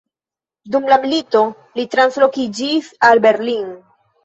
Dum la milito li translokiĝis al Berlin.